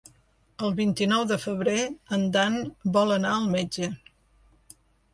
El vint-i-nou de febrer en Dan vol anar al metge.